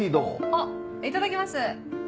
あっいただきます。